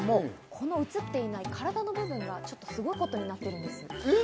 映っていない体の部分がすごいことになっているんです。